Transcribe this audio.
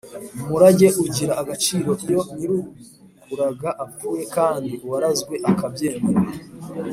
umurage ugira agaciro iyo nyir’ukuraga apfuye kandi uwarazwe akabyemera.